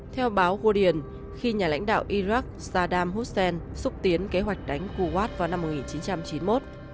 theo báo guardian khi nhà lãnh đạo iraq saddam hussein xúc tiến kế hoạch đánh kuwait vào năm một nghìn chín trăm chín mươi một